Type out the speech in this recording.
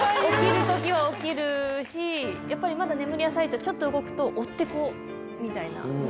起きるときは起きるし、やっぱりまだ眠り浅いと、ちょっと動くと、追って、こう、みたいな。